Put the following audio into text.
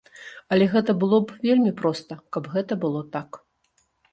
Але гэта было б вельмі проста, каб гэта было так.